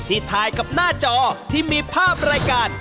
ถ่ายกับหน้าจอที่มีภาพรายการ